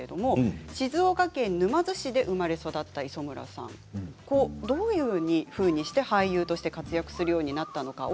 静岡県沼津市で生まれ育った磯村さんどういうふうにして俳優として活躍するようになったのかを